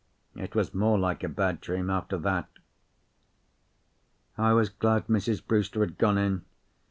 It was more like a bad dream after that. I was glad Mrs. Brewster had gone in.